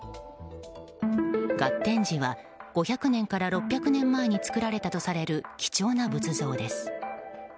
月天子は５００年から６００年前に作られたとされる貴重な仏像です。